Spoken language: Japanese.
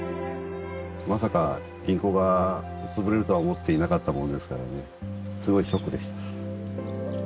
まさか銀行がつぶれるとは思っていなかったものですからねすごいショックでした。